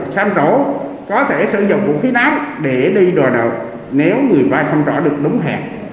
sáng trổ có thể sử dụng vũ khí nát để đi đòi nợ nếu người vay không trả được đúng hẹn